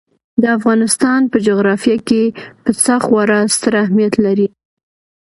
د افغانستان په جغرافیه کې پسه خورا ستر اهمیت لري.